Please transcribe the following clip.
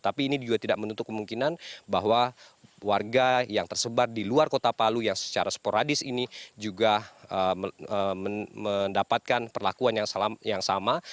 tapi ini juga tidak menutup kemungkinan bahwa warga yang tersebar di luar kota palu yang secara sporadis ini juga mendapatkan perlakuan yang sama